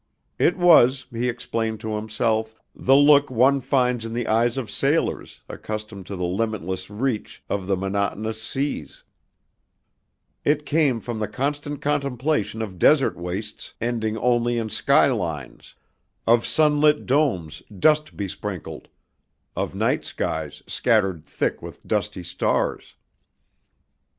It was, he explained to himself, the look one finds in the eyes of sailors accustomed to the limitless reach of the monotonous seas; it came from the constant contemplation of desert wastes ending only in skylines, of sunlit domes dust besprinkled, of night skies scattered thick with dusty stars.